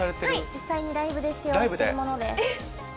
実際にライブで使用したものです。